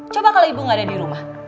coba kalau ibu nggak ada di rumah